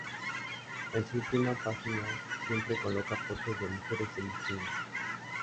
En su última página siempre coloca fotos de mujeres en bikini.